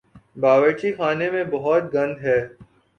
باورچی خانے میں بہت گند ہے